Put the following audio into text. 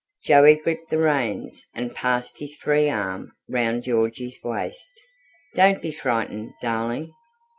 Joey gripped the reins, and passed his free arm round Georgy's waist. "Don't be frightened, darling."